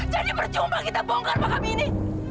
jadi berjumlah kita bongkar makam ini